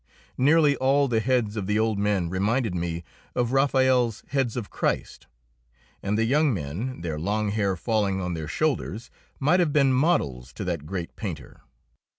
Nearly all the heads of the old men reminded me of Raphael's heads of Christ, and the young men, their long hair falling on their shoulders, might have been models to that great painter.